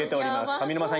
上沼さん